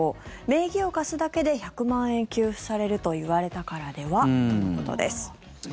名義を貸すだけで１００万円給付されると言われたからでは？とのことです。